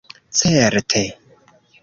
Certe